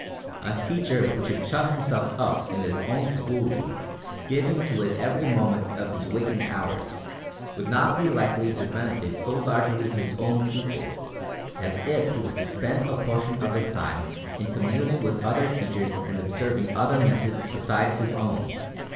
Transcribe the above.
A teacher who should shut himself up in his own school room, giving to it every moment of his waking hours, would not be likely to benefit so largely his own pupils, as if he were to spend a portion of his time in communing with other teachers and observing other methods besides his own.